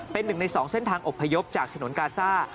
เป็น๑ใน๒เส้นทางอบพยพจากสนกาซ่า